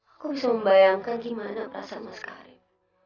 aku bisa membayangkan gimana perasaan mas karib